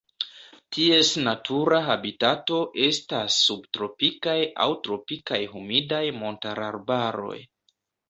Ties natura habitato estas subtropikaj aŭ tropikaj humidaj montararbaroj.